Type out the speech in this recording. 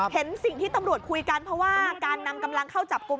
เห็นสิ่งที่ตำรวจคุยกันเพราะว่าการนำกำลังเข้าจับกลุ่ม